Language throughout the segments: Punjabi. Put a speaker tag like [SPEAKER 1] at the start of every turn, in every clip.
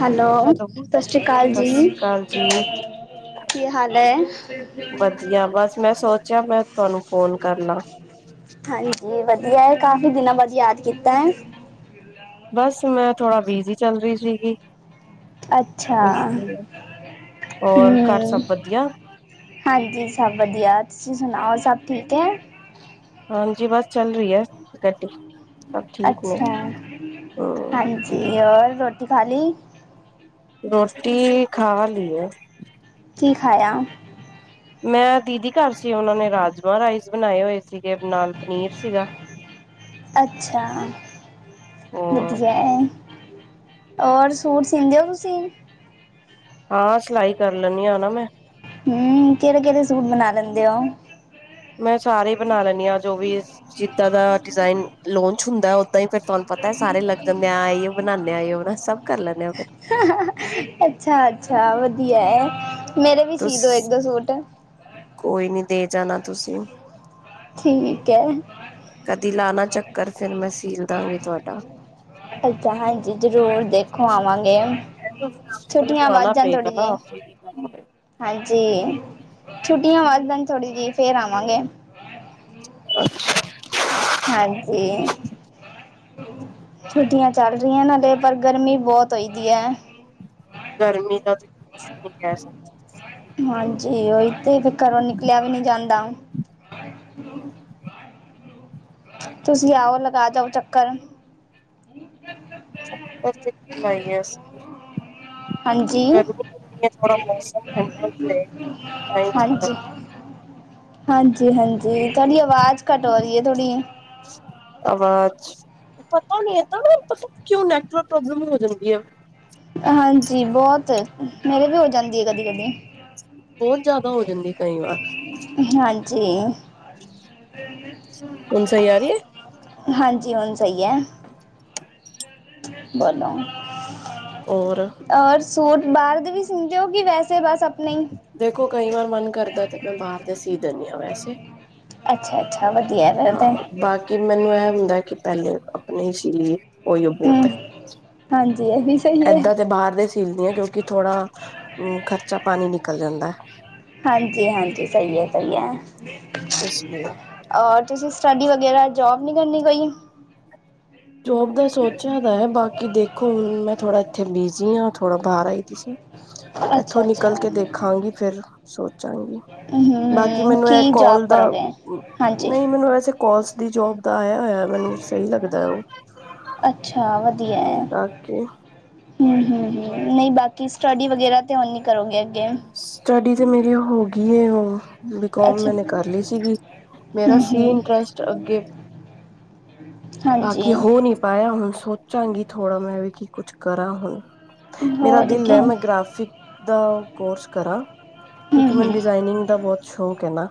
[SPEAKER 1] ਹੈਲੋ, ਸਤਿ ਸ਼੍ਰੀ ਅਕਾਲ
[SPEAKER 2] ਸਤਿ
[SPEAKER 1] ਜੀ?
[SPEAKER 2] ਸ੍ਰੀ ਅਕਾਲ ਜੀ
[SPEAKER 1] ਕੀ ਹਾਲ ਹੈ?
[SPEAKER 2] ਵਧੀਆ ਬਸ ਮੈਂ ਸੋਚਿਆ ਮੈਂ ਤੁਹਾਨੂੰ ਫੋਨ ਕਰ ਲਾਂ
[SPEAKER 1] ਹਾਂਜੀ ਵਧੀਆ ਹੈ, ਕਾਫ਼ੀ ਦਿਨਾਂ ਬਾਅਦ ਯਾਦ ਕੀਤਾ।
[SPEAKER 2] ਬਸ ਮੈਂ ਥੋੜਾ, ਬਿਜੀ ਚੱਲ ਰਹੀ ਸੀਗੀ।
[SPEAKER 1] ਅੱਛਾ
[SPEAKER 2] ਹੋਰ, ਘਰ
[SPEAKER 1] ਹਮ
[SPEAKER 2] ਸਭ ਵਧੀਆ।
[SPEAKER 1] ਹਾਂਜੀ, ਸਭ ਵਧੀਆ ਤੁਸੀਂ, ਸੁਣਾਓ ਸਭ ਠੀਕ ਹੈ?
[SPEAKER 2] ਹਾਂਜੀ, ਬਸ ਚੱਲ ਰਹੀ ਹੈ ਗੱਡੀ ਸਭ ਠੀਕ ਨੇ
[SPEAKER 1] ਅੱਛਾ,
[SPEAKER 2] ਹਮ
[SPEAKER 1] ਹਾਂਜੀ ਔਰ ਰੋਟੀ, ਖਾਲ ਲਈ?
[SPEAKER 2] ਰੋਟੀ ਖਾ ਲਈਉ।
[SPEAKER 1] ਕੀ ਖਾਇਆ?
[SPEAKER 2] ਮੈਂ ਦੀਦੀ ਘਰ ਸੀ, ਉਹਨਾਂ ਨੇ ਰਾਜਮਾਂ ਰਾਈਸ, ਬਣਾਏ ਹੋਏ ਸੀਗੇ, ਨਾਲ ਪਨੀਰ ਸੀਗਾ।
[SPEAKER 1] ਅੱਛਾ,
[SPEAKER 2] ਹਾਂ
[SPEAKER 1] ਵਧੀਆ ਔਰ ਸੂਟ, ਸੀੀਂਦੇ ਹੋ ਤੁਸੀਂ?
[SPEAKER 2] ਹਾਂ ਸਿਲਾਈ ਕਰ ਲੈਂਨੀਂ ਨਾ ਮੈਂ।
[SPEAKER 1] ਹਮ ਕਿਹੜੇ- ਕਿਹੜੇ ਸੂਟ ਬਣਾ ਲੈਂਦੇ ਹੋ?
[SPEAKER 2] ਮੈਂ, ਸਾਰੇ ਹੀ ਬਣਾ ਲੈਣੀ ਹਾਂ, ਜੋ ਵੀ ਜਿੱਦਾਂ ਦਾ ਡਿਜ਼ਾਇਨ ਲੋਂਚ ਹੁੰਦਾ, ਓਦਾਂ ਹੀ ਤੁਹ
[SPEAKER 1] [inaudible]
[SPEAKER 2] ਇਹ ਬਣਾ ਸਭ ਕਰ ਲੈਂਦੇ ਆ ਫਿਰ
[SPEAKER 1] ਅੱਛਾ -ਅੱਛਾ ਵਧੀਆ ਏ, ਮੇਰੇ ਵੀ ਸੀ ਦੋ ਇੱਕ
[SPEAKER 2] ਤੁਸੀ
[SPEAKER 1] ਦੋ ਸੂਟ?
[SPEAKER 2] ਕੋਈ ਨਈ, ਦੇ ਜਾਣਾ ਤੁਸੀਂ।
[SPEAKER 1] ਠੀਕ ਹੈ।
[SPEAKER 2] ਕਦੀ ਲਾਨਾ ਚੱਕਰ, ਫਿਰ ਮੈਂ ਸੀਲ ਦਾਂਗੀ ਤੁਹਾਡਾ।
[SPEAKER 1] ਅੱਛਾ, ਹਾਂਜੀ ਜ਼ਰੂਰ ਦੇਖੋ ਆਵਾਂਗੇ,
[SPEAKER 2] ਤਾਂ ਸਾਹਮਣੇ ਵਾਲੇ
[SPEAKER 1] ਛੁੱਟੀਆਂ
[SPEAKER 2] ਨੂੰ ਆਉਣਾ
[SPEAKER 1] ਵੱਧ ਜਾਣ
[SPEAKER 2] ਪਏਗਾ
[SPEAKER 1] ਥੋੜੀਆ
[SPEAKER 2] ਨਾ ਫਿਰ ਹੀ ਕੰਮ ਹੋਏਗਾ
[SPEAKER 1] ਹਾਂਜੀ, ਛੁੱਟੀਆਂ ਵੱਧ ਜਾਣ ਥੋੜ੍ਹੀ ਜਿਹੀ ਫੇਰ ਆਵਾਂਗੇ।
[SPEAKER 2] [unintelligible]
[SPEAKER 1] ਹਾਂਜੀ, ਛੁੱਟੀਆਂ ਚੱਲ ਰੀਆਂ ਨਾਲੇ, ਪਰ ਗਰਮੀ ਬੋਤ ਹੋਈ ਦੀ ਏ।
[SPEAKER 2] ਗਰਮੀ ਤਾ ਜੀ ਕੁੱਛ ਨੀ ਕੇਹ ਸਕਦੇ।
[SPEAKER 1] ਹਾਂਜੀ, ਓਈ ਤੇ ਫਿਰ ਘਰੋਂ ਨਿਕਲੇਆ ਵੀ ਨੀ ਜਾਂਦਾ। ਤੂਸੀਂ ਆਓ ਲਗਾ ਜਾਓ ਚੱਕਰ?
[SPEAKER 2] ਚੱਕਰ ਕਿੱਥੇ ਲਾਈਏ ਅਸੀ।
[SPEAKER 1] ਹਾਂਜੀ
[SPEAKER 2] ਗਰਮੀ ਇੱਨੀ ਏ ਥੋੜਾ ਮੌਸਮ ਠੰਡਾ ਹੋਏ ਤਾਂਈ ਚੱਕਰ
[SPEAKER 1] ਹਾਂਜੀ
[SPEAKER 2] [inaudible]
[SPEAKER 1] ਹਾਂਜੀ, ਹਾਂਜੀ ਤੂਆਡੀ ਅਵਾਜ ਘੱਟ ਹੋ ਰੀ ਐ ਥੋੜੀ।
[SPEAKER 2] ਅਵਾਜ, ਪਤਾ ਨੀ ਏਤਾਂ ਮੈਂ ਨੀ ਪਤਾ ਕਿਂਉ ਨੈਟਵਰਕ ਪ੍ਰੋਬਲਮ ਹੋ ਜਾਂਦੀ ਏ।
[SPEAKER 1] ਹਾਂਜੀ ਬ੍ਹੋਤ, ਮੇਰੇ ਵੀ ਹੋ ਜਾਂਦੀ ਐ ਕਦੀ, ਕਦੀ।
[SPEAKER 2] ਬੋਤ ਜਾਦਾ ਹੋ ਜਾਂਦੀ ਏ ਕਈਂ ਵਾਰ।
[SPEAKER 1] ਹਾਂਜੀ।
[SPEAKER 2] ਹੁਣ
[SPEAKER 1] ਹਾਂਜੀ, ਹੋਨ ਸਈ ਹੈ, ਬੋਲੋ।
[SPEAKER 2] ਔਰ।
[SPEAKER 1] ਔਰ ਸੂਟ ਬ੍ਹਾਰ ਦੇ ਵੀ ਸੀਂਦੇ ਓ? ਕਿ ਵੈਸੇ ਬਾੱਸ ਅਪ
[SPEAKER 2] ਦੇਖੋ ਕਈ ਵਾਰ ਮਨ ਕਰਦਾ ਤੇ ਮੈਂ ਬ੍ਹਾਰ ਦੇ ਸੀ ਦੇਨੀ ਆ ਵੈਸੇ।
[SPEAKER 1] ਅੱਛਾ, ਵਦੀਆ ਫੇਰ ਤੇ।
[SPEAKER 2] ਕਿ ਮੈਨੂੰ ਏ ਹੁੰਦਾ ਕਿ ਪ੍ਹੈਲੇ ਅਪਨਾ ਈ ਸ਼ਰੀਰ ਓਈਓ ਬੋਤ
[SPEAKER 1] ਹੂੰ
[SPEAKER 2] ਐ।
[SPEAKER 1] ਹਾਂਜੀ। ਸਹੀ ਹੈ।
[SPEAKER 2] ਏਦਾਂ ਤੇ ਬ੍ਹਾਰ ਦੇ ਸੀਲ ਨੀ ਐ ਕਿਉਂਕਿ ਥੋੜਾ ਖਰਚਾ ਪਾਨੀ ਨਿਕਲ ਜਾਂਦੈ।
[SPEAKER 1] ਹਾਂਜੀ, ਹਾਂਜੀ ਸਈ ਐ, ਸਈ ਐ।
[SPEAKER 2] ਇਸ ਲਈ
[SPEAKER 1] ਔਰ ਤੂਸੀ ਸਟੱਡੀ ਵਗੈਰਾ ਜੋਬ ਨੀ ਕਰਨੀ ਕੋਈ?
[SPEAKER 2] ਜੋਬ ਦਾ ਸੋਚੇਆ ਤਾ ਹੈ, ਬਾਕੀ ਦੇਖੋ ਹੁਨ ਮੈਂ ਥੋੜਾ ਇੱਥੇ ਬਿਜੀ਼ ਆਂ, ਥੋੜਾ ਬਾਹਰ ਆਈ ਦੀ ਸੀ। ਐਥੋਂ
[SPEAKER 1] ਅੱਛਾ-ਅੱਛਾ
[SPEAKER 2] ਨਿਕਲ ਕੇ ਦੇਖਾਂਗੀ ਫੇਰ ਸੋਚਾਂਗੀ ਬਾਕੀ
[SPEAKER 1] ਹੂੰ
[SPEAKER 2] ਮੈਨੂੰ ਐ
[SPEAKER 1] ਕੀ
[SPEAKER 2] ਕੋਲ
[SPEAKER 1] ਜੋਬ
[SPEAKER 2] ਦਾ,
[SPEAKER 1] ਕਰੋਗੇ? ਹਾਂਜੀ
[SPEAKER 2] ਨਹੀਂ ਮੈਨੂੰ ਵੈਸੇ ਕੋਲਸ ਦੀ ਜੋਬ ਦਾ ਆਏਆ ਹੋਏਆ ਮੈਨੂੰ ਸਈ ਲੱਗਦੈ ਓ।
[SPEAKER 1] ਅੱਛਾ, ਵਦੀਐ।
[SPEAKER 2] ਬਾਕੀ
[SPEAKER 1] ਹੂੰ, ਹੂੰ ਨਹੀ ਬਾਕੀ ਸਟੱਡੀ ਵਗੈਰਾ ਤੇ ਹੁਨ ਨੀ ਕਰੋਗੇ? ਅੱਗੇ?
[SPEAKER 2] ਸਟੱਡੀ ਤੇ ਮੇਰੀ ਹੋਗੀ ਏ ਓ। ਬੀਕੋਮ
[SPEAKER 1] ਅੱਛਾ
[SPEAKER 2] ਮੈਨੇ ਕਾਰ ਲੀ ਸੀਗੀ, ਮੇਰਾ ਸੀ ਇੰਟਰਸਟ ਅੱਗੇ
[SPEAKER 1] ਹਾਂ
[SPEAKER 2] ਬਾਕੀ ਹੋ ਨੀ ਪਾਏਆ ਹੁਨ ਸੋਚਾਂਗੀ ਥੋੜਾ ਮੈਂ ਵੀ ਕਿ ਕੁਛੱ ਕਰਾਂ ਹੁਨ। ਮੇਰਾ
[SPEAKER 1] ਹੋਰ
[SPEAKER 2] ਦਿਲ
[SPEAKER 1] ਅੱਗੇ
[SPEAKER 2] ਐ, ਮੈਂ ਗ੍ਰਾਫਿਕ ਦਾ ਕੋਰਸ ਕਰਾਂ, ਕਿਉਂਕਿ ਮੈਨ
[SPEAKER 1] ਹੂੰ-ਹੂੰ
[SPEAKER 2] ਡਿਜ਼ਾਇਨਿੰਗ ਦਾ ਬੋਤ ਸ਼ੌਂਕ ਹੈ ਨਾ।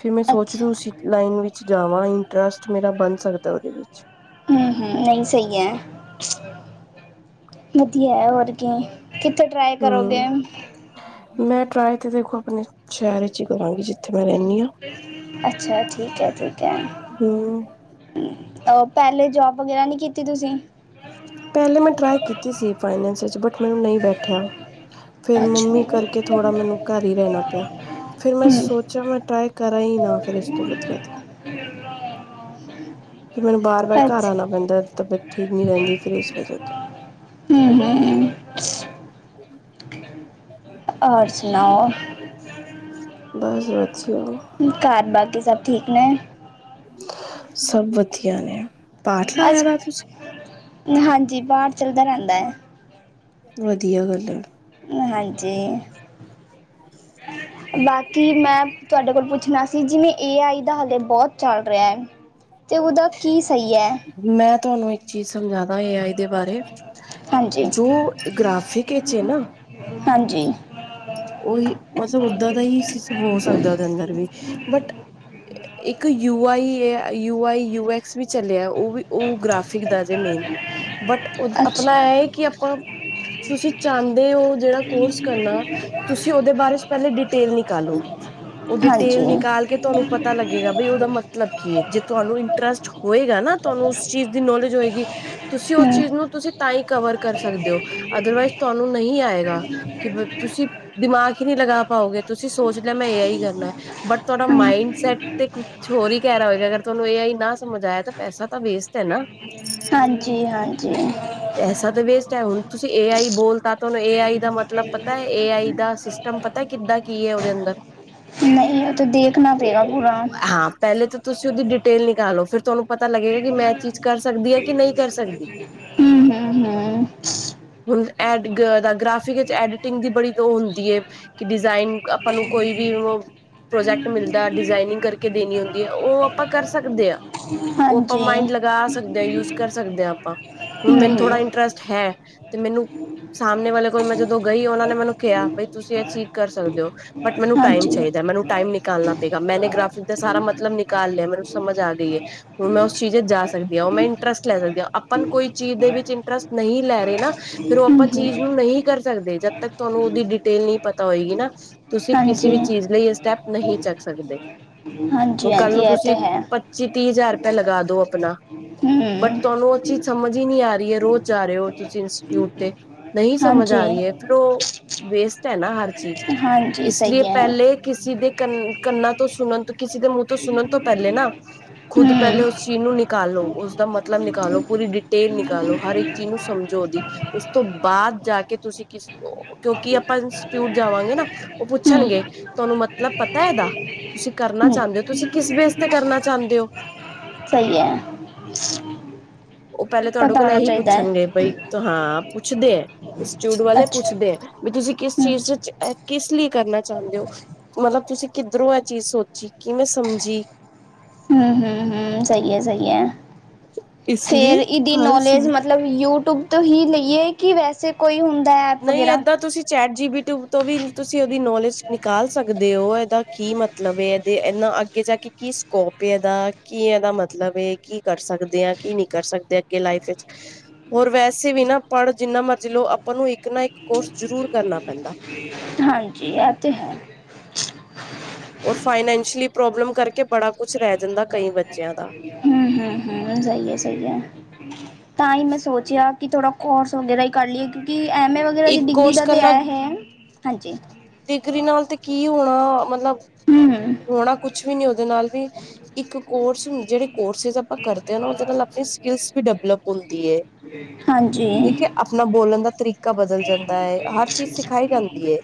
[SPEAKER 2] ਫਿਰ ਮੈਂ ਸੋਚ ਰੀ
[SPEAKER 1] ਅੱਛਾ
[SPEAKER 2] ਉਸੀ ਲਾਈਨ ਵਿੱਚ ਜਾਵਾਂ ਇੰਟਰਸਟ ਮੇਰਾ ਬਨ ਸਕਦਾ ਓਦੇ ਵਿੱਚ।
[SPEAKER 1] ਹੂੰ, ਹੂੰ ਨਹੀਂ ਸਈ ਐ, ਵਧੀਐ ਹੋਰ ਕੀ। ਕਿੱਥੇ ਟਰਾਏ
[SPEAKER 2] ਹਮ
[SPEAKER 1] ਕਰੋਗੇ?
[SPEAKER 2] ਮੈਂ ਟਰਾਏ ਤੇ ਦੇਖੋ ਅਪਨੇ ਸੈ਼ਹਰ ਇਚ ਈ ਕਰਾਂਗੀ, ਜਿੱਥੇ ਮੈਂ ਰੈਂਨੀ ਆਂ।
[SPEAKER 1] ਅੱਛਾ, ਠੀਕ ਹੈ, ਠੀਕ ਹੈ।
[SPEAKER 2] ਹੂੰ।
[SPEAKER 1] ਅ ਪ੍ਹੈਲੇ ਜੋਬ ਵਗੈਰਾ ਨੀ ਕੀਤੀ ਤੂਸੀ?
[SPEAKER 2] ਪੈਹਲੇ ਮੈਂ ਟ੍ਰਾਈ ਕੀਤੀ ਸੀ ਫਾਈਨਂਸ ਵਿੱਚ ਬਟ ਮੈਨੂੰ ਨਹੀਂ ਬੈਠੇਆ। ਫਿਰ
[SPEAKER 1] ਅੱਛਾ
[SPEAKER 2] ਮੰਮੀ
[SPEAKER 1] ਹੂੰ
[SPEAKER 2] ਕਰਕੇ ਥੋੜਾ ਮੈਨੂੰ ਘਰ ਹੀ ਰੈਨਾ ਪੇਆ, ਫੇਰ ਮੈਂ ਸੋਚੇਆ ਮੈਂ ਟ੍ਰਾਈ ਕਰਾਂ ਈ ਨਾ ਫੇਰ ਇਸ ਤੋਂ ਵਧੀਆ ਤੇ।
[SPEAKER 1] [inaudible]
[SPEAKER 2] ਫੇਰ ਮੈਨੂੰ ਬਾਰ ਬਾਰ ਘਾਰ
[SPEAKER 1] ਅੱਛਾ
[SPEAKER 2] ਆਨਾ ਪੈਂਦਾ ਤਬੀਅਤ ਠੀਕ ਨੀ ਰੈਂਦੀ, ਫੇਰ ਇਸ ਵਜੈ ਤੋ।
[SPEAKER 1] ਹੂੰ, ਹੂੰ, ਹੂੰ। ਔਰ ਸੁਨਾਓ?
[SPEAKER 2] ਬਸ ਵਚਿਉ
[SPEAKER 1] ਘਾਰ ਬਾਕੀ ਸਭ ਠੀਕ ਨੇ।
[SPEAKER 2] ਸਭ ਵਧੀਆ ਨੇ। ਪਾਠ ਲਾਇਆ ਦਾ ਤੁਸੀਂ
[SPEAKER 1] ਅਸੀਂ ਹਾਂਜੀ ਪਾਠ ਚਲਦਾ ਰਹਿੰਦਾ ਹੈ।
[SPEAKER 2] ਵਧੀਆ ਗੱਲ ਆ।
[SPEAKER 1] ਹਾਂਜੀ
[SPEAKER 2] [inaudible]
[SPEAKER 1] ਬਾਕੀ ਮੈਂ ਤੁਹਾਡੇ ਕੋਲ ਪੁੱਛਣਾ ਸੀ ਜਿਵੇਂ ਏ ਆਈ ਦਾ ਹਾਲੇ ਬਹੁਤ ਚੱਲ ਰਿਹਾ ਹੈ। ਤੇ ਉਹਦਾ ਕੀ ਸਹੀ ਹੈ।
[SPEAKER 2] ਮੈਂ ਤੁਹਾਨੂੰ ਇੱਕ ਚੀਜ਼ ਸਮਝਾਂਦਾ ਏ ਆਈ ਦੇ ਬਾਰੇ
[SPEAKER 1] ਹਾਂਜੀ
[SPEAKER 2] ਜੋ ਗ੍ਰਾਫਿਕ 'ਚ ਹੈ ਨਾ।
[SPEAKER 1] ਹਾਂਜੀ
[SPEAKER 2] ਉਹੀ ਮਸੂਰ ਦਾ ਓਦਾਂ ਦਾ ਹੀ ਹੋ ਸਕਦਾ ਉਹਦੇ ਅੰਦਰ ਵੀ ਬਟ ਇੱਕ U I A U I U X ਵਿੱਚ ਚੱਲਿਆ ਉਹ ਵੀ ਉਹ ਗ੍ਰਾਫਿਕ ਦਾ ਜੇ ਮੇਨ ਬਟ ਉਹ ਆਪਣਾ
[SPEAKER 1] ਅੱਛਾ
[SPEAKER 2] ਇਹ ਹੈ ਕਿ ਆਪਾਂ ਤੁਸੀਂ ਚਾਹੰਦੇ ਹੋ ਜਿਹੜਾ ਕੋਰਸ ਕਰਨਾ। ਤੁਸੀਂ ਉਹਦੇ ਬਾਰੇ 'ਚ ਪਹਿਲੇ ਡਿਟੇਲ ਨਿਕਾਲੋ ਉਹ
[SPEAKER 1] ਹਾਂਜੀ
[SPEAKER 2] ਡਿਟੇਲ ਨਿਕਾਲ ਕੇ ਤੁਹਾਨੂੰ ਪਤਾ ਲੱਗੇਗਾ। ਬ ਉਹਦਾ ਮਤਲਬ ਕੀ ਹੈ ਜੇ ਤੁਹਾਨੂੰ ਇੰਟਰਸਟ ਹੋਏਗਾ ਨਾ ਤੁਹਾਨੂੰ ਉਸ ਚੀਜ਼ ਦੀ ਨੌਲੇਜ ਹੋਏਗੀ। ਤੁਸੀਂ ਉਸ
[SPEAKER 1] ਹੂੰ
[SPEAKER 2] ਚੀਜ਼ ਨੂੰ ਤੁਸੀਂ ਤਾਂ ਹੀ ਕਵਰ ਕਰ ਸਕਦੇ ਹੋ ਅਦਰਵਾਈਜ਼ ਤੁਹਾਨੂੰ ਨਹੀਂ ਆਏਗਾ ਕਿ ਤੁਸੀਂ ਆਖਿਰ ਨਹੀਂ ਲਗਾ ਪਾਓਗੇ ਤੁਸੀਂ ਸੋਚ ਲਿਆ ਮੈਂ ਇਹ ਹੀ ਕਰਨਾ ਬਟ ਤੁਹਾਡਾ
[SPEAKER 1] ਹੂੰ
[SPEAKER 2] ਮਾਇੰਡ ਸੈਟ ਤੇ ਕੁਛ ਹੋਰ ਹੀ ਕਹਿ ਰਿਹਾ ਹੋਏਗਾ ਅਗਰ ਤੁਹਾਨੂੰ ਏ ਆਈ ਨਾ ਸਮਝ ਆਇਆ ਤਾਂ ਪੈਸਾ ਤਾਂ ਵੇਸਟ ਹੈ ਨਾ
[SPEAKER 1] ਹਾਂਜੀ -ਹਾਂਜੀ
[SPEAKER 2] ਪੈਸਾ ਤਾਂ ਵੇਸਟ ਹੈ ਹੁਣ ਤੁਸੀਂ ਏ ਆਈ ਬੋਲ ਤਾਂ ਤੁਹਾਨੂੰ ਏ ਆਈ ਦਾ ਮਤਲਬ ਪਤਾ ਹੈ ਏ ਆਈ ਦਾ ਸ ਟਮ ਤੁਹਾਨੂੰ ਪਤਾ ਕਿੱਦਾਂ ਕੀ ਉਹਦੇ ਅੰਦਰ
[SPEAKER 1] ਨਹੀਂ ਉਹ ਤੇ ਦੇਖਣਾ ਤੇਰਾ ਪੂਰਾ
[SPEAKER 2] ਹਾਂ ਪਹਿਲੇ ਤਾਂ ਤੁਸੀਂ ਉਹਦੀ ਡਿਟੇਲ ਨਿਕਾਲਓ ਫਿਰ ਤੁਹਾਨੂੰ ਪਤਾ ਲੱਗੇਗਾ ਕਿ ਮੈਂ ਇਹ ਚੀਜ਼ ਕਰ ਸਕਦੀ ਹ ਕਿ ਨਹੀਂ ਕਰ ਸਕਦੀ।
[SPEAKER 1] ਹੂੰ -ਹੂੰ- ਹੂੰ।
[SPEAKER 2] ਹੁਣ ਐਡ ਗ੍ਰਾਫਿਕ ਵਿੱਚ ਐਡੀਟਿੰਗ ਦੀ ਬੜੀਅ ਲੋੜ ਹੁੰਦੀ ਏ। ਕਿ ਡਿਜ਼ਾਇਨ ਆਪਾਂ ਨੂੰ ਕੋਈ ਵੀ ਉਹ ਪ੍ਰੋਜੈਕਟ ਮਿਲਦਾ ਡਿਜ਼ਾਇਨਿੰਗ ਕਰਕੇ ਦੇਣੀ ਹੁੰਦੀ ਹੈ ਉਹ ਆਪਾਂ ਕਰ ਸਕਦੇ ਆ। ਉਹ ਆਪਾਂ
[SPEAKER 1] ਹਾਂਜੀ
[SPEAKER 2] ਮਾਈੰਡ ਲਗਾ ਸਕਦੇ ਹਾਂ ਯੂਜ ਕਰ ਸਕਦੇ ਹਾਂ ਆਪਾਂ ਹੁਣ
[SPEAKER 1] ਹਮ
[SPEAKER 2] ਮੈਨੂੰ ਥੋੜ੍ਹਾ
[SPEAKER 1] ਹਮ
[SPEAKER 2] ਇੰਟਰਸਟ ਹੈ। ਤੇ ਮੈਨੂੰ ਸਾਹਮਣੇ ਵਾਲੇ ਕੋਲ ਮੈਂ ਜਦੋਂ ਗਈ ਉਹਨਾਂ ਨੇ ਮੈਨੂੰ ਕਿਹਾ ਬਈ ਤੁਸੀਂ ਅਚੀਵ ਕਰ ਸਕਦੇ ਹੋ। ਬਟ ਮੈਨੂੰ ਟਾਈਮ
[SPEAKER 1] ਹਾਂਜੀ
[SPEAKER 2] ਚਾਹੀਦਾ ਮੈਨੂੰ ਟਾਈਮ ਨਿਕਾਲਣਾ ਪਏਗਾ ਮੈ ਗ੍ਰਾਫਿਕ ਦਾ ਸਾਰਾ ਮਤਲਬ ਨਿਕਾਲ ਲਿਆ ਮੈਨੂੰ ਸਮਝ ਆ ਗਈ ਏ। ਹੁਣ ਮੈਂ ਉਸ ਚੀਜ਼ ਵਿਚ ਜਾ ਸਕਦੀ ਹਾਂ ਉਹ ਮੈਂ ਇੰਟਰਸਟ ਲੈ ਸਕਦੀ ਹਾਂ ਅਪਨ ਕੋਈ ਚੀਜ਼ ਦੇ ਵਿੱਚ ਇੰਟਰਸਟ ਨਹੀਂ ਲੈ ਰਹੇ ਨਾ ਫਿਰ ਉਹ ਆਪਾਂ
[SPEAKER 1] ਹਮ ਹਮ
[SPEAKER 2] ਚੀਜ਼ ਨੂੰ ਨਹੀਂ ਕਰ ਸਕਦੇ ਜਦ ਤਕ ਤੁਹਾਨੂੰ ਉਹਦੀ ਡਿਟੇਲ ਨਹੀਂ ਪਤਾ ਹੋਏਗੀ ਨਾ। ਤੁਸੀਂ ਕਿਸੇ
[SPEAKER 1] ਹਾਂਜੀ
[SPEAKER 2] ਵੀ ਚੀਜ਼ ਲਈ ਇਹ ਸਟੈਪ ਨਹੀਂ ਚੱਕ ਸਕਦੇ ਹੁਣ
[SPEAKER 1] ਹਾਂਜੀ
[SPEAKER 2] ਕੱਲ
[SPEAKER 1] ਹਾਂਜੀ
[SPEAKER 2] ਨੂੰ
[SPEAKER 1] ਇਹ ਤਾਂ
[SPEAKER 2] ਤੁਸੀਂ
[SPEAKER 1] ਹੈ।
[SPEAKER 2] ਪ ਚੀ ਤੀਹ ਹਜ਼ਾਰ ਰੁਪਇਆ ਲਗਾ ਦੋ ਆਪਣਾ ਬਟ
[SPEAKER 1] ਹਮ
[SPEAKER 2] ਤੁਹਾਨੂੰ ਉਹ ਚੀਜ਼ ਸਮਝ ਹੀ ਨਹੀ ਆ ਰਹੀ ਹੈ ਰੋਜ਼ ਜਾ ਰਹੇ ਹੋ ਤੁਸੀਂ ਇੰਸਟੀਟਿਊਟ ਤੇ ਨਹੀਂ ਸਮਝ
[SPEAKER 1] ਹਾਂਜੀ
[SPEAKER 2] ਆ ਰਹੀ ਹੈ ਫਿਰ ਉਹ ਵੇਸਟ ਹੈ ਨਾ ਹਰ ਚੀਜ਼
[SPEAKER 1] ਹਾਂਜੀ
[SPEAKER 2] ਇਸ ਲਈ
[SPEAKER 1] ਸਹੀ ਹੈ।
[SPEAKER 2] ਪਹਿਲੇ ਕਿਸੇ ਦੇ ਕੰ ਕੰਨਾਂ ਤੋਂ ਸੁਣਨ ਕਿਸੇ ਦੇ ਮੂੰਹ ਤੋਂ ਸੁਣਨ ਤੋਂ ਪਹਿਲੇ ਨਾ ਖੁਦ ਪਹਿਲੇ
[SPEAKER 1] ਹਮ
[SPEAKER 2] ਉਸ ਚੀਜ਼ ਨੂੰ ਨਿਕਾਲੋ ਉਸਦਾ ਮਤਲਬ ਨਿਕਾਲੋ। ਪੂਰੀ ਡਿਟੇਲ ਨਿਕਾਲੋ ਹਰ ਇੱਕ ਚੀਜ਼ ਨੂੰ ਸਮਝੋ ਦੀ ਉਸ ਤੋਂ ਬਾਅਦ ਜਾ ਕੇ ਤੁਸੀਂ ਕਿਸ ਕਿਉਂਕਿ ਅਪਨ ਇੰਸਟੀਚਿਊਟ ਜਾਵਾਂਗੇ ਨਾ ਉਹ
[SPEAKER 1] ਹਮ
[SPEAKER 2] ਪੁੱਛਣਗੇ ਤੁਹਾਨੂੰ ਮਤਲਬ ਪਤਾ ਇਹਦਾ ਤੁਸੀਂ ਕਰਨਾ
[SPEAKER 1] ਹਮ
[SPEAKER 2] ਚਾਹੁੰਦੇ ਹੋ ਤੁਸੀਂ ਕਿਸ ਬੇਸ ਤੇ ਕਰਨਾ ਚਾਹੁੰਦੇ ਹੋ।
[SPEAKER 1] ਸਹੀ ਹੈ। [inaudible]
[SPEAKER 2] ਉਹ ਪਹਿਲੇ ਤੁਹਾਡੇ
[SPEAKER 1] ਪਤਾ
[SPEAKER 2] ਕੋਲ
[SPEAKER 1] ਹੋਣਾ
[SPEAKER 2] ਇਹੀ
[SPEAKER 1] ਚਾਹੀਦਾ ਹੈ।
[SPEAKER 2] ਪੁੱਛਣਗੇ ਬਈ ਹਾਂ ਪੁੱਛਦੇ ਆ। ਇਸਟੀਚੂਯਟ ਵਾਲੇ
[SPEAKER 1] ਅੱਛਾ
[SPEAKER 2] ਪੁੱਛਦੇ ਏ ਵੀ ਤੁਸੀਂ ਕਿਸ
[SPEAKER 1] ਹਮ
[SPEAKER 2] ਚੀਜ਼ 'ਚ ਕਿਸ ਲਈ ਕਰਨਾ ਚਾਹੁੰਦੇ ਹੋ। ਮਤਲਬ ਤੁਸੀਂ ਕਿੱਧਰੋਂ ਇਹ ਚੀਜ਼ ਸੋਚੀ ਕਿਵੇਂ ਸਮਝੀ।
[SPEAKER 1] ਹੂੰ-ਹੂੰ-ਹੂੰ, ਸਹੀ ਹੈ-ਸਹੀ ਹੈ,
[SPEAKER 2] ਇਸ ਲਈ
[SPEAKER 1] ਫੇਰ ਇਦਹੀ
[SPEAKER 2] ਹਰ
[SPEAKER 1] ਨੌਲੇਜ
[SPEAKER 2] ਚੀਜ਼
[SPEAKER 1] ਮਤਲਬ ਯੂਟਿਊਬ ਤੋਂ ਹੀ ਲਈਏ ਕਿ ਵੈਸੇ ਕੋਈ ਹੁੰਦਾ ਐਪ
[SPEAKER 2] ਨਹੀਂ
[SPEAKER 1] ਵਗੈਰਾ
[SPEAKER 2] ਏਦਾਂ ਤੁਸੀਂ ਚੈਟ ਜੀਬੀਟਿ ਤੋਂ ਵੀ ਤੁਸੀਂ ਉਹਦੀ ਨੌਲੇਜ ਨਿਕਾਲ ਸਕਦੇ ਹੋ ਇਹਦਾ ਕੀ ਮਤਲਬ ਇਹਦੇ ਇਹਨਾ ਅੱਗੇ ਜਾ ਕੇ ਕੀ ਸਕੋਪ ਇਹਦਾ, ਕੀ ਇਹਦਾ ਮਤਲਬ ਕੀ ਕਰ ਸਕਦੇ ਆ ਕੀ ਨਹੀਂ ਕਰ ਸਕਦੇ ਆ। ਲਾਈਫ ਵਿੱਚ ਹੋਰ ਵੈਸੇ ਵੀ ਨਾ ਪੜ੍ਹ ਜਿੰਨਾ ਮਰਜੀ ਲੋ ਆਪਾਂ ਨੂੰ ਇੱਕ ਇੱਕ ਨਾ ਇੱਕ ਕੋਰਸ ਜਰੂਰ ਕਰਨਾ ਪੈਂਦਾ।
[SPEAKER 1] ਹਾਂਜੀ, ਇਹ ਤੇ ਹੈ।
[SPEAKER 2] ਔਰ ਫਾਈਨੈਂਸ਼ਲੀ ਪ੍ਰੋਬਲਮ ਕਰਕੇ ਬੜਾ ਕੁਛ ਰਹਿ ਜਾਂਦਾ ਕਈ ਬੱਚਿਆਂ ਦਾ।
[SPEAKER 1] ਹੂੰ-ਹੂੰ- ਹੂੰ, ਸਹੀ ਹੈ-ਸਹੀ ਹੈ ਤਾਂ ਹੀ ਮੈਂ ਸੋਚਿਆ ਕਿ ਥੋੜ੍ਹਾ ਕੋਰਸ ਵਗੈਰਾ ਹੀ ਕਰ ਲਈਏ ਕਿਉਂਕਿ ਐਮ ਏ ਵਗੈਰਾ ਜ
[SPEAKER 2] ਇੱਕ
[SPEAKER 1] ਡਿਗਰੀ
[SPEAKER 2] ਕੋਰਸ
[SPEAKER 1] ਦਾ ਤਾਂ
[SPEAKER 2] ਕਰਨਾ
[SPEAKER 1] ਇਹ ਹੈ, ਹਾਂਜੀ।
[SPEAKER 2] ਡਿਗਰੀ ਨਾਲ ਤੇ ਕੀ ਹੋਣਾ ਮਤਲਬ?
[SPEAKER 1] ਹੂੰ
[SPEAKER 2] ਹੋਣਾ ਕੁਛ ਵੀ ਨੀ ਉਹਦੇ ਨਾਲ ਵੀ, ਇੱਕ ਕੋਰਸ ਜਿਹੜੇ ਕੋਰਸਿਸ ਆਪਾਂ ਕਰਦੇ ਹਾਂ ਨਾ ਉਹਦੇ ਨਾਲ ਆਪਣੀ ਸਕਿਲਸ ਵੀ ਡਿਵਲਪ ਹੁੰਦੀ ਹੈ
[SPEAKER 1] ਹਾਂਜੀ
[SPEAKER 2] ਠੀਕ ਹੈ ਆਪਣਾ ਬੋਲਣ ਦਾ ਤਰੀਕਾ ਕਾ ਬਦਲ ਜਾਂਦਾ ਹੈ, ਹਰ ਚੀਜ਼ ਸਿਖਾਈ ਜਾਂਦੀ ਹੈ।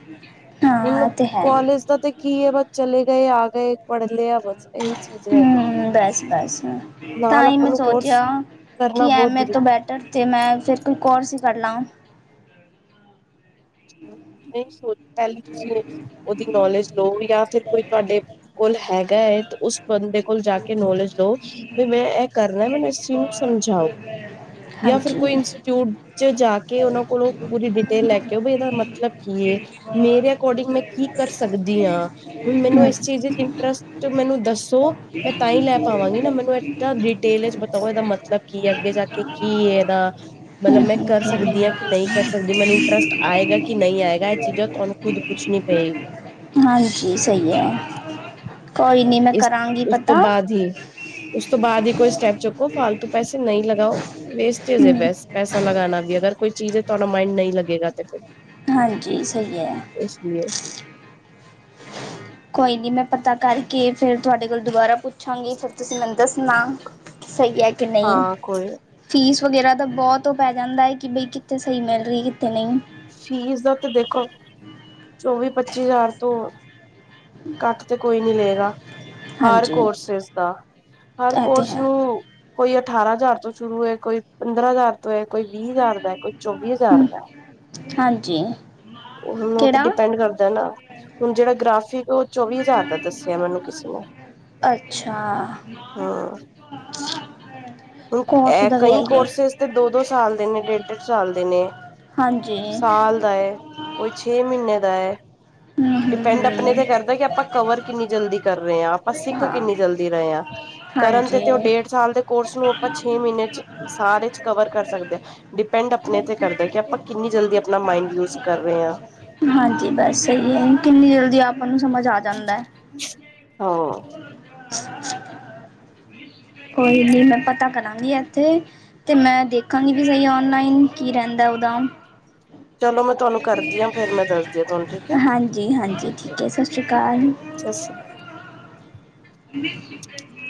[SPEAKER 1] ਹਾਂ ਇਹ
[SPEAKER 2] ਹੁਣ
[SPEAKER 1] ਤੇ ਹੈ
[SPEAKER 2] ਕੋਲਜ ਦਾ ਤੇ ਕੀ ਹੈ ਬਸ ਚਲੇ ਗਏ- ਆ ਗਏ, ਪੜ੍ਹ ਲਿਆ ਬਸ। ਇਹੀ ਚੀਜ਼ ਰਹਿ ਜਾਂਦੀ
[SPEAKER 1] ਹੂੰ
[SPEAKER 2] ਹੈ,
[SPEAKER 1] ਬਸ ਬਸ ਤਾਂ
[SPEAKER 2] ਨਾਲ ਆਪਾਂ ਨੂੰ ਕੋਰਸ ਕਰਨਾ ਬਹੁਤ
[SPEAKER 1] ਇਸਤੋਂ
[SPEAKER 2] ਜ਼ਰੂਰੀ
[SPEAKER 1] ਬੈਟਰ ਤੇ ਮੈਂ ਫੇਰ ਕੋਈ ਕੋਰ ਸੀ ਕਰ ਲਾਂ।
[SPEAKER 2] ਏਹੀ ਸੋਚ ਪਹਿਲੀ ਤੁਸੀਂ ਉਹਦੀ ਨੌਲੇਜ ਲਓ ਜਾਂ ਫਿਰ ਕੋਈ ਤੁਹਾਡੇ ਕੋਲ ਹੈਗਾ ਹੈ। ਉਸ ਬੰਦੇ ਕੋਲ ਜਾ ਕੇ ਨੌਲੇਜ ਲੋ, ਵੀ ਮੈਂ ਇਹ ਕਰਨਾ ਮੈਨੂੰ ਇਸ ਚੀਜ਼ ਨੂੰ ਸਮਝਾਓ। ਜਾਂ ਫਿਰ ਕੋਈ
[SPEAKER 1] ਹਾਂਜੀ
[SPEAKER 2] ਇੰਸਟੀਚਿਊਟ ਵਿੱਚ ਜਾ ਕੇ ਉਹਨਾਂ ਕੋਲੋਂ ਪੂਰੀ ਡਿਟੇਲ ਲੈ ਕੇ ਆਓ ਇਹਦਾ ਮਤਲਬ ਕੀ ਏ? ਮੇਰੇ ਅਕੋਰਡਿੰਗ ਮੈਂ ਕੀ ਕਰ ਸਕਦੀ ਹਾਂ? ਹੁਣ ਮੈਨੂੰ
[SPEAKER 1] ਹੂੰ
[SPEAKER 2] ਇਸ ਚੀਜ਼ ਵਿੱਚ ਇੰਟਰਸਟ ਮੈਨੂੰ ਦੱਸੋ। ਮੈਂ ਤਾਂ ਹੀ ਲੈ ਪਾਵਾਂਗੀ ਨਾ ਮੈਨੂੰ ਇਦਾਂ ਡਿਟੇਲ ਵਿਚ ਬਤਾਓ ਇਹਦਾ ਮਤਲਬ ਕੀ ਹੈ ਅੱਗੇ ਜਾ ਕੇ ਕੀ ਇਹਦਾ ਮਤਲਬ
[SPEAKER 1] ਹੂੰ
[SPEAKER 2] ਮੈਂ ਕਰ
[SPEAKER 1] ਹੂੰ
[SPEAKER 2] ਸਕਦੀ ਹਾਂ, ਕਿ ਨਹੀਂ ਕਰ ਸਕਦੀ, ਮੈਨੂੰ ਇੰਟਰਸਟ ਆਏਗਾ, ਕਿ ਨਹੀਂ ਆਏਗਾ। ਚੀਜ਼ਾਂ ਤੁਹਾਨੂੰ
[SPEAKER 1] [unintelligible]
[SPEAKER 2] ਖੁਦ ਪੁੱਛਣੀ ਪਏਗੀ
[SPEAKER 1] ਹਾਂਜੀ ਸਹੀ ਹੈ। ਕੋਈ ਨੀ ਮੈਂ
[SPEAKER 2] ਇਸ
[SPEAKER 1] ਕਰਾਂਗੀ
[SPEAKER 2] ਉਸ ਤੋਂ
[SPEAKER 1] ਪਤਾ।
[SPEAKER 2] ਬਾਅਦ ਹੀ ਉਸ ਤੋਂ ਬਾਅਦ ਹੀ ਕੋਈ ਸਟੈਪ ਚੁੱਕੋ ਫਾਲਤੂ ਪੈਸੇ ਨਹੀਂ ਲਗਾਓ। ਵੇਸਟਜ ਹੈ
[SPEAKER 1] ਹੂੰ
[SPEAKER 2] ਬਸ ਪੈਸਾ ਲਗਾਣਾ ਵੀ ਅਗਰ ਕੋਈ ਚੀਜ਼ ਤੁਹਾਡਾ ਮਾਈੰਡ ਨਹੀਂ ਲੱਗੇਗਾ ਤੇ ਫਿਰ
[SPEAKER 1] ਹਾਂਜੀ, ਸਹੀ ਹੈ।
[SPEAKER 2] ਇਸ ਲਈਏ
[SPEAKER 1] ਕੋਈ ਨਹੀਂ ਮੈਂ ਪਤਾ ਕਰਕੇ ਫਿਰ ਤੁਹਾਡੇ ਕੋਲ ਦੁਬਾਰਾ ਪੁੱਛਾਂਗੀ ਫਿਰ ਤੁਸੀਂ ਮੰ ਦੱਸਣਾ ਸਹੀ ਹੈ ਕਿ ਨਹੀਂ।
[SPEAKER 2] ਹਾਂ ਕੋਈ
[SPEAKER 1] ਫੀਸ ਵਗੈਰਾ ਤਾਂ ਬਹੁਤ ਉਹ ਪੈ ਜਾਂਦਾ ਹੈ ਕਿ ਬਈ ਕਿੱਥੇ ਸਹੀ ਮਿਲ ਰਹੀ, ਕਿੱਥੇ ਨਹੀਂ?
[SPEAKER 2] ਫੀਸ ਦਾ ਤੇ ਦੇਖੋ ਚੌਵੀ-ਪੱਚੀ ਹਜ਼ਾਰ ਤੋਂ ਘੱਟ ਤੇ ਕੋਈ ਨੀ ਲਏਗਾ। ਹਰ
[SPEAKER 1] ਹਾਂਜੀ
[SPEAKER 2] ਕੋਰਸਿਸ ਦਾ ਹਰ
[SPEAKER 1] ਇਹ ਤੇ
[SPEAKER 2] ਕੋਰਸ
[SPEAKER 1] ਹੈ
[SPEAKER 2] ਨੂੰ ਕੋਈ ਅਠਾਰਾਂ ਹਜ਼ਾਰ ਤੋਂ ਸ਼ੁਰੂ ਹੈ, ਕੋਈ ਪੰਦਰਾਂ ਹਜ਼ਾਰ ਤੋਂ ਹੈ, ਕੋਈ ਵੀਹ ਹਜ਼ਾਰ ਦਾ, ਕੋਈ ਚੌਵੀ ਹਜ਼ਾਰ
[SPEAKER 1] ਹਮ,
[SPEAKER 2] ਦਾ।
[SPEAKER 1] ਹਾਂਜੀ।
[SPEAKER 2] ਹੁਣ ਉਹ ਤੇ
[SPEAKER 1] ਕਿਹੜਾ
[SPEAKER 2] ਡਿਪੈਂਡ ਕਰਦਾ ਨਾ ਹੁਣ ਜਿਹੜਾ ਗ੍ਰਾਫਿਕ ਉਹ ਚੌਵੀ ਹਜ਼ਾਰ ਦਾ ਦੱਸਿਆ ਮੈਨੂੰ ਕਿਸੇ ਨੇ ਹਾ।
[SPEAKER 1] ਹ [unintelligible]
[SPEAKER 2] ਹੁਣ ਅ ਕਈ ਕੋਰਸਿਸ ਤੇ ਦੋ-ਦੋ ਸਾਲ ਦੇ ਨੇ, ਡੇਢ-ਡੇਢ ਸਾਲ ਦੇ ਨੇ,
[SPEAKER 1] ਹਾਂਜੀ
[SPEAKER 2] ਸਾਲ ਦਾ ਏ। ਕੋਈ ਛੇ ਮਹੀਨੇ ਦਾ ਹੈ।
[SPEAKER 1] ਹੂੰ।
[SPEAKER 2] ਡਿਪੈਂਡ ਆਪਣੇ ਤੇ ਕਰਦਾ ਕਿ ਆਪਾਂ ਕਵਰ ਕਿੰਨੀ ਜਲਦੀ ਕਰ ਰਹੇ ਹਾਂ, ਆਪਾਂ ਸਿੱਖ
[SPEAKER 1] ਹਾਂ
[SPEAKER 2] ਕਿੰਨੀ ਜਲਦੀ ਰਹੇ ਹਾਂ। ਕਰਨ ਤੇ
[SPEAKER 1] ਹਾਂਜੀ
[SPEAKER 2] ਤੇ ਉਹ ਡੇਢ ਸਾਲ ਦੇ ਕੋਰਸ ਨੂੰ ਆਪਾਂ ਛੇ ਮਹੀਨੇ ਚ ਸਾਰੇ ਚ ਕਵਰ ਕਰ ਸਕਦੇ ਹਾਂ, ਡਿਪੈਂਡ ਆਪਣੇ ਤੇ ਕਰਦੇ ਕਿ ਆਪਾਂ ਕਿੰਨੀ ਜਲਦੀ ਆਪਣਾ ਮਾਇੰਡ ਯੂਜ ਕਰ ਰਹੇ ਹਾਂ।
[SPEAKER 1] ਹਾਂਜੀ, ਬਸ ਸਹੀ ਹੈ, ਕਿੰਨੀ ਜਲਦੀ ਆਪਾਂ ਨੂੰ ਸਮਝ ਆ ਜਾਂਦਾ
[SPEAKER 2] ਹਾਂ
[SPEAKER 1] [inaudible] ਕੋਈ ਨਹੀਂ, ਮੈਂ ਪਤਾ ਕਰਾਂਗੀ ਇੱਥੇ ਤੇ ਮੈਂ ਦੇਖਾਂਗੀ ਵੀ ਹੀ, ਔਨਲਾਈਨ ਕੀ ਰਹਿੰਦਾ ਉਦਾ
[SPEAKER 2] ਚਲੋ ਮੈਂ ਤੁਹਾਨੂੰ ਕਰਦੀ ਹਾਂ ਫੇਰ ਮੈਂ ਦੱਸਦੀ ਹਾਂ ਤੁਹਾਨੂੰ ਠੀਕ ਹੈ
[SPEAKER 1] ਹਾਂਜੀ ਹਾਂਜੀ, ਠੀਕ ਹੈ, ਸਤਿ ਸ੍ਰੀ ਅਕਾਲ
[SPEAKER 2] ਸਤਿ ਸ਼੍ਰੀ ਅਕਾਲ
[SPEAKER 1] ਨ [inaudible]